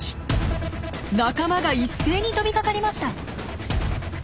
仲間が一斉に飛びかかりました！